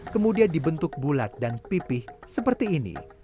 kemudian dibentuk bulat dan pipih seperti ini